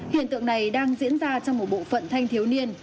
hiện tượng này đang diễn ra trong một bộ phận thanh thiếu niên